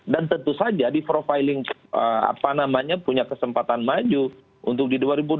dan tentu saja di profiling punya kesempatan maju untuk di dua ribu dua puluh empat